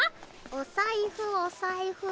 お財布お財布。